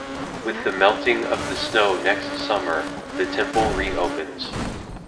With the melting of the snow next summer, the temple re-opens.